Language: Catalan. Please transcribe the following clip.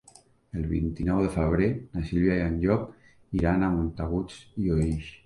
El vint-i-nou de febrer na Sibil·la i en Llop iran a Montagut i Oix.